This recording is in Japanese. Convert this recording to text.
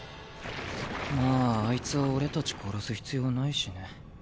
まああいつは俺たち殺す必要ないしね。